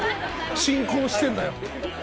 進行してんのよ。